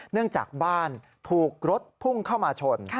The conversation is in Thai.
เนื่องจากบ้านถูกรถพุ่งเข้ามาชน